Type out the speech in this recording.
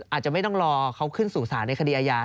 อาจจะไม่ต้องรอเขาขึ้นสู่ศาลในคดีอาญา